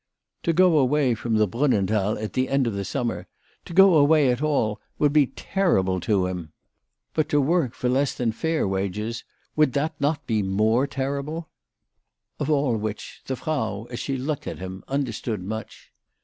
To go away from the Brunnenthal at the end of the summer, to go away at all, would be terrible to him ; but to work for less than fair wages, would that not be 46 WHY FRATJ FROHMANN RAISED HER PRICES. more terrible ? Of all which, the Frau, as she looked at him, understood much.